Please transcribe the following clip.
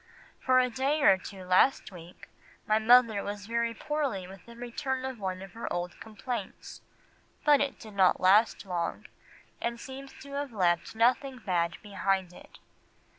"For a day or two last week my mother was very poorly with a return of one of her old complaints, but it did not last long, and seems to have left nothing bad behind it.